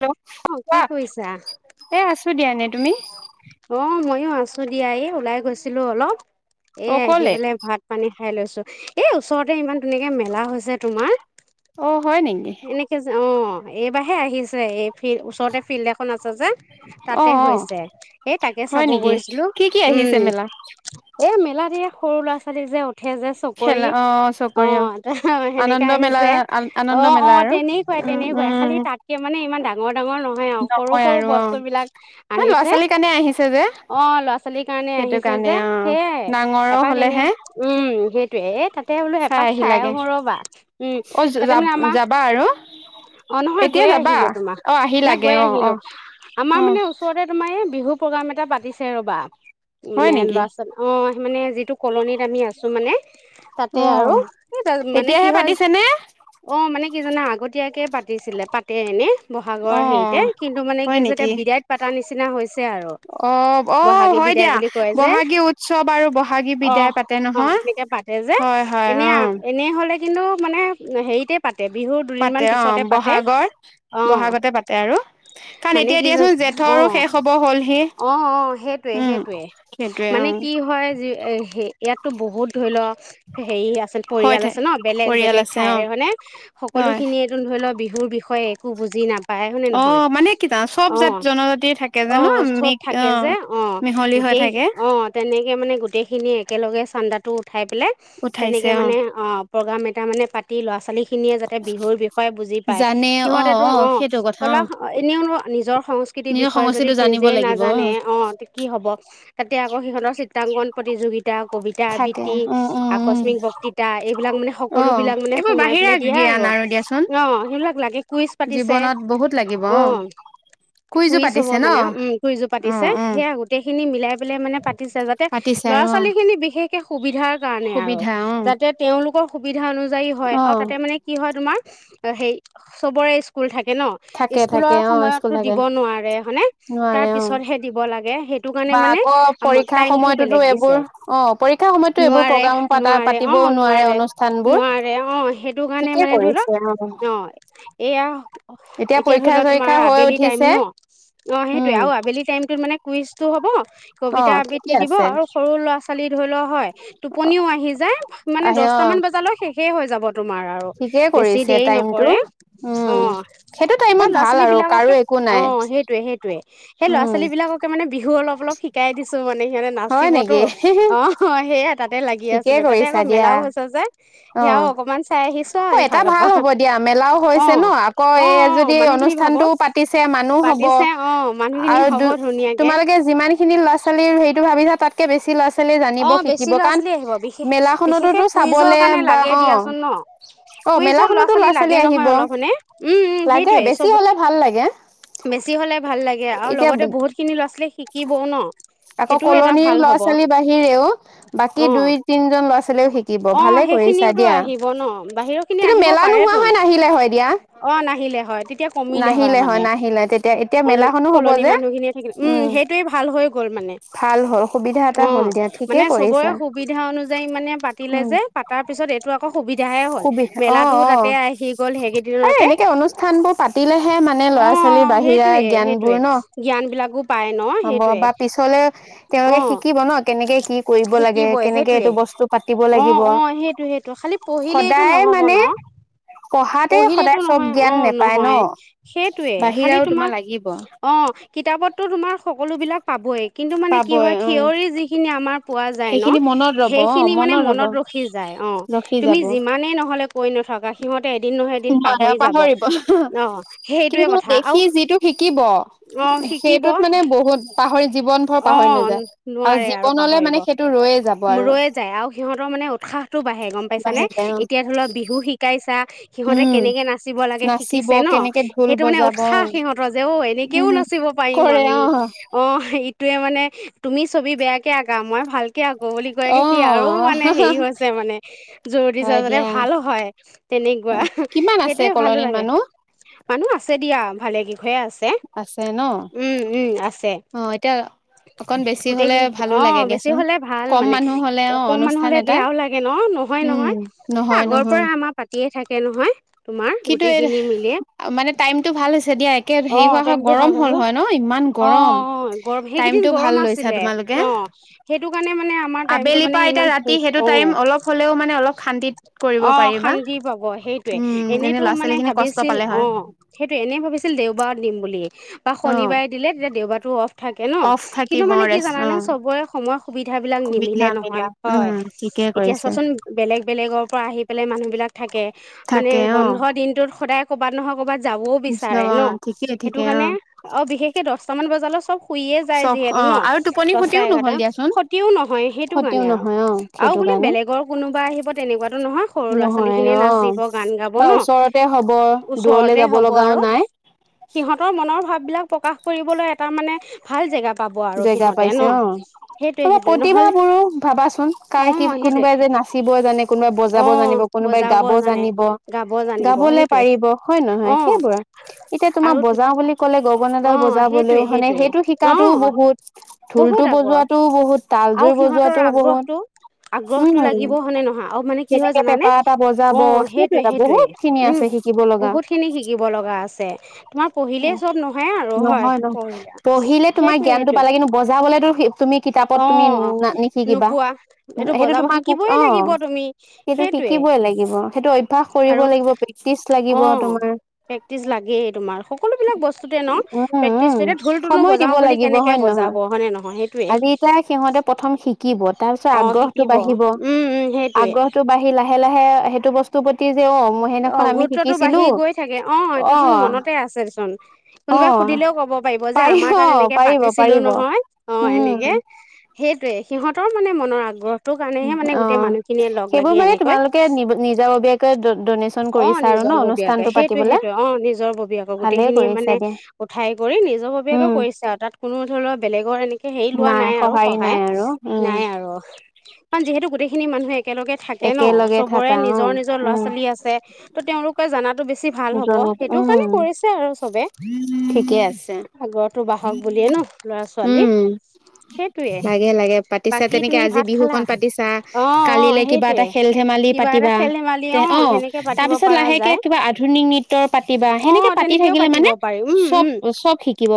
Hello কোৱা এ আছো দিয় নে তুমি এও আছো দিয়া এই ওলাই গৈছিলো অলপ এ আহি পেলাই ভাত পানী খাই লৈছো এই ওচৰতে ইমান ধুনীয়াকে মেলা হৈছে অ হয় নেকি এনেকে যে অ অ এইবাৰাহে আহিছে এই ফিল্ড ওচৰতে ফিল্ড এখন আছে যে তাতে হৈছে এই তাকে চাব গৈছিলো উম এ মেলা দিয়ে সৰু ল'ৰা ছোৱালী যে উঠে যে চকৰি অ সেনেকা আহিছে অ অ তেনেকুৱাই তেনেকুৱাই খালি তাতকে মানে ইমান ডাঙৰ ডাঙৰ নহয় নহয় অ সৰু সৰু বস্তু বিলাক আনিছে অ ল'ৰা ছোৱালীৰ কাৰণে আহিছে যে সেয়াই এপাক এনে উম সেইটোৱে এপাক তাতে বোলো এপাক চাই আহো ৰবা উম যাবা আৰু এতিয়া যাবা অ আহি লাগে গৈ আহিলো আমাৰ মানে ওচৰতে তোমাৰ এই বিহু প্ৰগ্ৰেম এটা পাতিছে ৰ'বা মানে ল'ৰা ছোৱালী অ মানে যিটো কলনীত আমি আছোঁ মানে অ এতিয়াহে পাতিছে নে মানে কি জাননা আগতীয়াকে পাতিছিলে পাতে এনেই বহাগৰ হেৰিতে কিন্তু মানে কি হৈছে এতিয়া বিদায়ত পাতা নিচিনা হৈছে আৰু বহাগী বিদায় বুলি কয় যে অ অ তেনেকে পাতে যে এনে এনেই হলে কিন্তু মানে হেৰিত মানে পাতে বিহু দুদিনমান পিছতে পাতে অ মানে কি অ অ অ সেইটোৱে সেইটোৱে মানে কি হয়ি ইয়াত তো বহুত ধৰি লওক হেৰি আছে পৰিয়াল আছে ন বেলেগ বেলেগ ঠাইৰ মানে সকলো খিনিয় এইটো ধৰি লোৱা বিহু মোৰ বিষয় হয় একো বুজি নাপায় শুনে নহয় অ অ চব থাকে যে অ গোটেই অ তেনেকে মানে গোটেইখিনি একেলগে হল্ডাটো উঠাই [unintelligible] তেনেকে মানে, অ প্ৰগ্ৰাম এটা মানে পাতি ল'ৰা ছোৱালী খিনিয়ে যাতে বিহুৰ বিষয়ে বুজি পায়। সিহঁতেতো অ, কলা এনেওো নিজৰ সংস্কৃতিৰ বিষয়ে যদি নিজে নাজানে অ, কি হব তাতে আকৌ সিহঁতৰ প্ৰাংগন প্ৰতিযোগিতা কবিতা বৃত্তি, আকস্মিক বক্তৃতা, এইবিলাক মানে সকলো বিিলাক মানে সোমাই দয়া আৰু। অ' সেইবিলাক লাগে কুইজ পাতিছে অ। কুইজ হ'ব মানে উ, কুইজো পাতিছে। সেয়া গোটেই খিনি মিলাই পেলাই মানে পাতিছে, যাতে ল'ৰা ছোৱালী খিনি বিশেষৈ সুবিধাৰ কাৰণে আৰু যাতে তেওঁলোকৰ অনুযায়ী হয় তাতে মানে কি হয় তোমাৰ অ সেই চবৰে স্কুল থাকে হে ন স্কুলৰ সময়তটো দিব নোৱাৰে হানে তাৰ পিছতহে দিব লাগে সেইটো কাৰণে মানে আমাৰ টাইমতটো বেলেগ দিছে নোৱাৰে নোৱাৰে অ নোৱাৰে নোৱাৰে অ মানে ধৰি ল অ এয়া এতিয়া ধৰি লোৱা তোমাৰ আবেলি টাইম ন অ সেইটোয়ে আৰু আবেলি টাইম মানে টো হ'ব কবিতা আবৃত্তি দিব আৰু সৰু ল'ৰা ছোৱালী চালি ধৰি লও হয় টোপনিও আহি যায় মানে দহটা মান বজালৈ শেষে হৈ যাব তোমাৰ আৰু বেছি দেৰি নকৰে অ সেই ল'ৰা ছোৱালী বিলাককে অ সেইটোৱে সেইটোৱে সেই ল'ৰা ছোৱালী বিলাককে মানে বিহু অলপ অলপ শিকাই দি চুমনে সিহতে নাচিবতো অ অ সেইয়া তাত তাতে লাগি আছিলো তাতে আকৌ মেলাও হৈছে যে সেয়াও অকমান অ এটা ভাল হ'ব দিয়া মেলাও হৈছে ন আকৌ এই যদি অনুষ্ঠানটোও পাতিছে মানুহ হব আৰু তোমালোকে যিমান খিনি ল'ৰা ছোৱালীৰ হে ভাবিচা তাতকে বেছি লৰা জানিব শিকিব কাৰণ মেলা খনতোতো চাবলে লাগে দিয়াচোন ন কুই য ল'ৰা ছোৱালী লাগে নহয় অলপ মানে উম উম সেইটয়ে চব বেছি হলে ভাল লাগে আৰু লগতে বহুত খিনি ল'ৰা ছোৱালী শিকিবও ন সেইটোও এটা ভাল হব িৰেও বাকী দুই তিনজন ল'ৰা ছোৱালীও শিকিব ভালে খিনিওতো আহিব ন বাহিৰৰ খিনি আহিব পাৰে তো অ নাহিলে হয় নাহিলে হয় নাহিলে তেতিয়া এতিয়া মেলাখনো হব যে উম ভাল হ'ল সুবিধা এটা হ'ল দিয়া মানে চবৰে সুবিধা অনুযায়ী মানে পাতিলে যে পাতাৰ পিছত এইটো আকৌ সুবিধাহে হ'ল মেলাটো তাতে আহি গ'ল সেইকেইদিনতে পাতিলেহে মানে ল'ৰা ছোৱালীৰ বাহিৰা জ্ঞানবোৰ ন হ'ব বা পিছলে তেওঁলোকে শিকিব ন কেনেকে কি কৰিব লাগে কেনেকে এইটো বস্তু পাতিব লাগিব সদায় মানে পঢ়াতে সদায় চব জ্ঞান নাপায় ন সেইটয়ে খালি তোমাৰ অ কিতাপতো তোমাৰ সকলো বিলাক পাবয়ে কিন্তু মানে কি হয় থিয়ৰী যিখিনি আমাৰ পোৱা যায় ন সেইখিনি মানে মনত ৰখি যায় অ তুমি যিমানে নহলে কৈ নথকা সিহঁতে এদিন ন অ পাহৰিব কিন্তু সেই দেখি যিটো শিকিব সেইটোত মানে বহুত পাহৰি জীৱন ভৰ পাহৰি নাযায় আৰু জীৱনলৈ মানে সেইটো ৰৈয়ে যাব আৰু সিহঁতৰ মানে উৎসাহ সেইটো বাঢ়ে গম পাইছা নে এতিয়া ধৰি লওক বিহু শিকাইছা সিহঁতে কেনেকে নাচিব লাগে শিকিছে ন সেইটো মানে উৎসাহ সিহঁতৰ যে অঔ এনেকেও নাচিব পাৰিম আমি অ তয়ে মানে তুমি ছবি বেয়াকে আকা মই ভাল আকৌ বুলি কৈ সি আৰু মানে হেৰি হৈছে মানে জোৰ যাতে ভাল হয় তেনেকুৱা সেইটোয়ে ভালো লাগে মানুহ আছে দিয়া ভালে খিনি আছে উম উম আছে অ এ গোটেইখিনি অ বেছি হ'লে ভাল মানে অকমান হ'লে বেয়াও লাগে ন নহয় নহয় আগৰ পৰা আমাৰ পাতিয়ে থাকে নহয় কিন্তু এই মানে টাইমটো ভাল হৈছে দিয়া একে হেৰি হোৱা হয় গৰম হ'ল হয় ন ইমান গৰম সেইকেইদিন গৰম আছিলে অ সেইটো কাৰণে মানে আমাৰ টাইমটো মানে ইমান অ অ অশান্তি পাব সেইটোৱে টো মানে ভাবিছিল অ সেইটো এনেই ভাবিছিল দেওবাৰত দিম বুলি বা শনিবাৰে দিলে তেতিয়া দেওবাৰটো থাকে ন কিন্তু মানে কি জানানে চবৰে সময় সুবিধা বিলাক নিমিলে নহয় হয় এতিয়া চোৱাচোন বেলেগ বেলেগৰ পৰা আহি পেলাই মানুহ বিলাক থাকে। মানে বন্ধ দিনটোত সদায় ক'বাত নহয় কবাত যাবও বিচাৰে ন, সেইটো কাৰণে অ বিশেষকে দহটা মান বজালেও চব শুইয়ে যায় যিহেতু ন দহটা, এঘাৰটা খতিও নহয়। সেইটো কাৰানে আৰু আৰু বোলে বেলেগৰ কোনোবা আহিব তেনেকুৱাতো নহয়, সৰু ল'ৰা ছোৱালী খিনিয়ে নাচিব গান গাব ন ওচৰতে হ'ব, আৰু সিহঁতৰ মনৰ ভাৱ বিলাক প্ৰকাশ কৰিবলৈ এটা মানে ভাল জেগা জেগা পাইছে অ তাপা প্ৰতিভাবোৰো ভাবাচোন কাৰ কি কোনোবাই যে নাচিব জানে? কোনোবাই বজাব জানিব? কোনোবাই গাব জানিব? গাবলে পাৰিব হয় নহয়, সেইবোৰ এতিয়া তোমাৰ বজাও বুলি ক'লে গগনাডাল বজাবলৈও মানে সেইটো শিক্ষা অ', বহুত বহুত আগ্ৰহ আৰু সিহঁতৰ আগ্ৰহটো-আগ্ৰহটো লাগিব। হয়নে নহয় আৰু মানে কি হয় জানানে অ সেইটোৱে-সেইটোৱে উম, বহুত খিনি শিকিব লগা আছে তোমাৰ পঢ়িলেই চব নহয় আৰু হয় পঢ়িলা সেইটোয়ে সেই পালে কিন্তু বজাবলে টো অ', নোপোৱা এইটো বজাব শিকিবই লাগিব। তুমি সেইটোৱে আৰু অ', প্ৰেক্টিচ লাগেই, তোমাৰ সকলো বিলাক বস্তুতে ন, প্ৰেক্টিচটো এতিয়া ঢোলটোনো বজাও বুলি কেনেকে বজাব হয়নে নহয় সেইটোৱেই। এয়া সিহঁতে প্ৰথম শিকিব তাৰ পিছত আগ্ৰহটো বাঢ়িব, আগ্ৰহটো বাঢ়ি লাহে-লাহে সেইটো বস্তু পতি অ', গুৰুত্বতো বাঢ়ি গৈ থাকে অ', এইটোতোন মনতে আছেচোন, কোনোবাই সুধিলেও ক'ব পাৰিব যে আমাৰ তাত এনেকে পাতিছিলো নহয় অ এনেকে সেইটো। ত সিহঁতৰ মানে মনৰ আগ্ৰহ অ সেইবোৰ মানে তোমালোকে নি নিজাববীয়াকৈ অ নিজৰ ববীয়াকে সেইটোৱেসেইটোৱে অ নিজৰ ববীয়োকে গোটেইখিনিয়ে মানে উঠাই কৰি নিজৰ ববীয়াকে কৰিছে আৰু তাত কোনো ধৰি লোৱা বেলেগৰ এনেক হেৰি লোৱা নাই আৰু সহায় নাই আৰু কাৰণ যিহেতু গোটেইখিনি মানুহ একেলগে থাকে ন সবৰে নিজৰ নিজৰ ল'ৰা-ছোৱালী আছে। ত তেওঁলোকে চানাটো জনত উম ঠিকেই আছে। বাহক বুলিয়ে ন ল'ৰা ছোৱালী সেইটোৱে বাকী তুমি ভাত খালা অ অ সেইটোয়ে কিবা এটা খেল ধমালি অ', সেনেক তাৰ পিছত লাহেকে কিবা আধুনিক নৃত্যৰ পাতিবা সেনেকে পাতি থাকিলে মানে চব চব শিকিব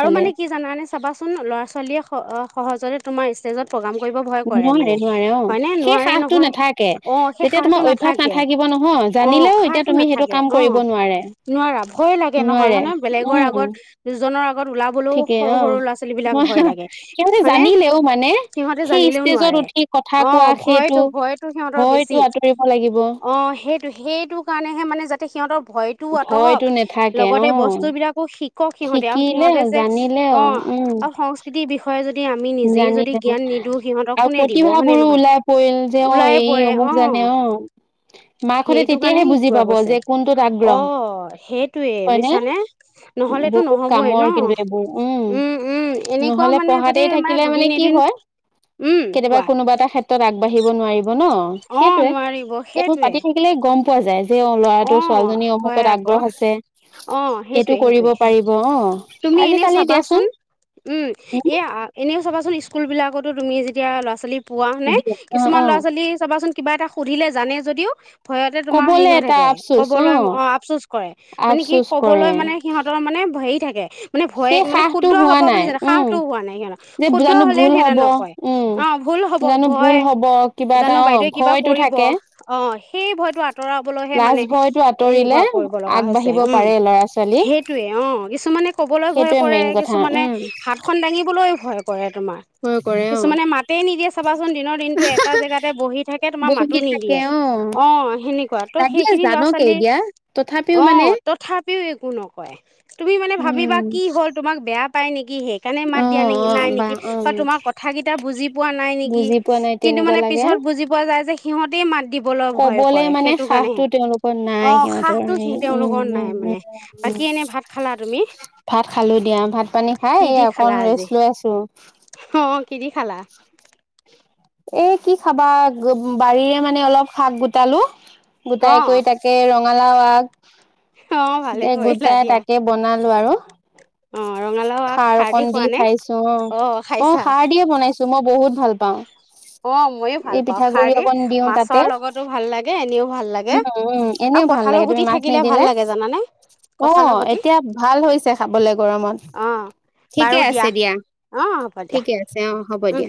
আৰু মানে কি জানানে চাবাচোন ল'ৰা ছোৱালীয়ে স সহজতে তোমাৰ প্ৰগ্ৰাম কৰিব ভয় কৰে মানে হয়নে নোৱাৰে নহয় অ সেই সাহটো নাথাকে অ সো নাথাকে অ নো ৱৰা ভয়ে লাগে নহয় হয়নে বেলেগৰ আগত জনৰা ঠিকেই অ মই সিহঁতে জানিলেও মানে সেই ষ্টেজত উঠি কথা কোৱা সেইটো ভয়টো আঁতৰিব লাগিব সেইটো সেইটো কাৰণেহে মানে যাতে সিহঁতৰ ভয়তো আঁতৰ হক লগতে বস্তু বিলাকো শিক কওক সিহঁতে আৰু সিহঁতে যে অ আৰু সংস্কৃতিৰ বিষয় প [inaudible] জানিলে আৰু প্ৰতিভাবোৰো ওলাই পৰিল যে অ এই অমুক জানে অ সেইটো কাৰণে শিকোৱা কৈছে অ সেইটোৱে বুজিছানে নহলেতো নহবই ন উম উম এনেকুৱা মানে যদি থাকিলে মানে কি হয় কেতিয়াবা কোনোবা এটা ক্ষেত্ৰত আগবাঢ়িব নোৱাৰিব ন সেইটোয়ে এইবোৰ পাতি থাকিলে গম পোৱা যায় অ হয় আকৌ অ সেইটোৱে সেইটোয়ে তুমি এনেও চাবাচোন উম এয়া এনেও চাবা চোন স্কুলবিলাক তুমি যেতিয়া ল'ৰা ছোৱালী পোৱানে কিছুমান ল'ৰা ছোৱালী চাবাচোন কিবা এটা সুধিলে জানে যদিও ভয়তে তোমাৰ হেৰি হৈ থাকে কবলৈ অ', আফচোচ কৰে, মানে কি কবলৈ মানে সিহঁতৰ মানে হেৰি থাকে মানে ভয় মানে শুদ্ধ হব বুলি জানো, সাহটো হোৱা নাই সিহঁত, শুদ্ধ হলেও সিহঁতে নকয়, অ', ভুল হব ভয় জানো বাইদেৱে কিবা কৰিব, অ', সেই ভয়তটো আঁতৰাবলৈ মানে, এনেকুৱা কৰিব লগা হৈছে। উম, সেইটোয়ে অ', কিছুমানে ক'ব পৰে কিছুমানে হাত খন দাঙিবলৈ ভয় কৰে। তোমাৰ, কিছুমানে মাতে নিদিয়ে চাবাচোন, দিনৰ দিনটো এটা জেগাতে বহি থাকে, তোমাৰ মাতো নিদিয়ে অ', সেনেকুৱাত। ত' সেইখিনি ল'ৰা ছোৱালী অ', তথাপ [unintelligible] একো নকয়। তুমি মানে ভাবিবা কি হল তোমাক বেয়া পায় নেকি সে কানে মাত দিয়া নে নাই নেকি বা তোমাৰ কথা কিটা বুজি পোৱা নাই নেকি কিন্তু মানে, পিছত বুজি পোৱা যায় যে সিহঁতেই মাত দিবলৈ ভয় কৰে সেই শাহটো তেওঁলোকৰ নাই সিহঁতৰ হ উম উম উম, ভাত খালো দিয়া ভাত পানী খাই এই অকণ ৰেষ্ট লৈ আছো। কিদি খালা? এ কি খাবা, বাৰীৰে মানে অলপ শাক গোটালো গোটাই কৰি তাকে ৰং ৰঙালাও আগ গোটাই তাকে বনালো আৰু। [unintelligible] খাৰ অকণ দি খাইছো অ', অ', খাৰ দিয়ে বনাইছো মই বহুত ভাল পাওঁ। অ', ময়ো ভাল পাওঁ খাৰ দি, মাছৰ লগতো ভাল লাগে এনেও ভাল লাগে আৰু কঠালৰ গুটি থাকিলে ভাল লাগে জানানে, কঠালৰ গুটি আহ, বাৰু দিয়া অ', হ'ব দিয়া উম।